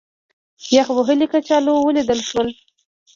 یخ وهلي کچالو ولیدل شول.